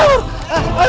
ada apaan sih